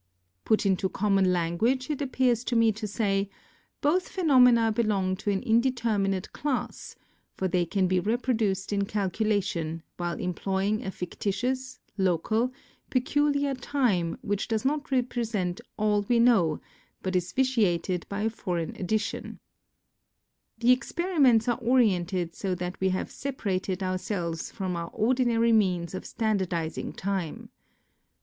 Put into common language it appears to me to say : Both phenomena belong to an indeterminate class, for they can be reproduced in calculation while employing a fictitious, local, peculiar time which does not represent all we know but is vitiated by a foreign addition; The experiments are oriented so that we have separated ourselves from our ordinary means of standardizing time.